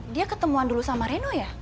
dia ketemuan dulu sama reno ya